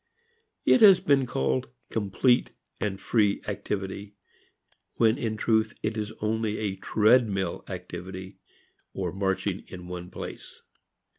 It has been called complete and free activity when in truth it is only a treadmill activity or marching in one place.